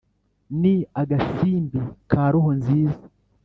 ni agasimbi ka roho nziza